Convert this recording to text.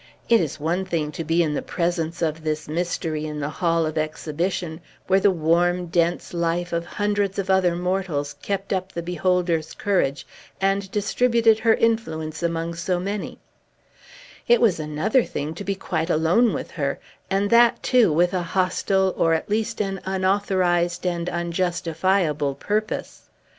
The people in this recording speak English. It was one thing to be in presence of this mystery in the hall of exhibition, where the warm, dense life of hundreds of other mortals kept up the beholder's courage, and distributed her influence among so many; it was another thing to be quite alone with her, and that, too, with a hostile, or, at least, an unauthorized and unjustifiable purpose.